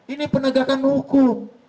ini penegakan hukum